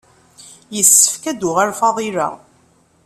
Yessefk ad d-tuɣal Faḍila.